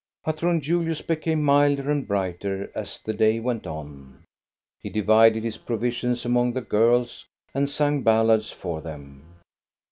Patron Julius became milder and brighter as the day went on. He divided his provisions among the girls, and sang ballads for them.